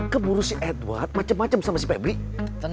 kalau gitu dede mau simpen sayuran